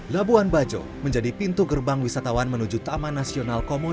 labuan bajo menjadi pintu gerbang wisatawan menuju taman nasional komodo